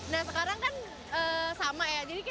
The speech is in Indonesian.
nah sekarang kan sama